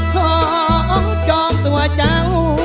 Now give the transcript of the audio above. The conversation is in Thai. ของจองตัวเจ้า